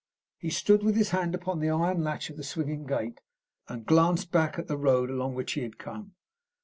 He stood with his hand upon the iron latch of the swinging gate, and he glanced back at the road along which he had come.